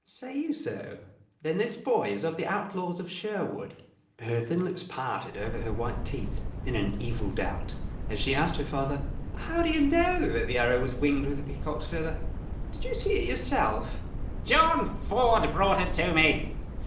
"Say you so? Then this boy is of the outlaws of Sherwood?" Her thin lips parted over her white teeth in an evil doubt, as she asked her father: "How do you know that the arrow was winged with a peacock's feather? Did you see it yourself?" "John Ford brought it to me."